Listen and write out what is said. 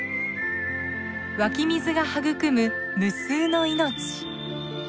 湧き水が育む無数の命。